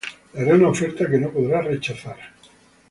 Le haré una oferta que no podrá rechazar